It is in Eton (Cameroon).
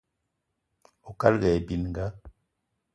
Oukalga aye bininga